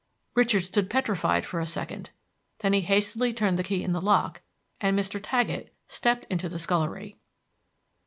Richard stood petrified for a second; then he hastily turned the key in the lock, and Mr. Taggett stepped into the scullery.